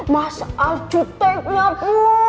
mas al cuteknya bu